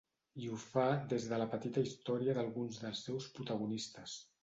I ho fa des de la petita història d’alguns dels seus protagonistes.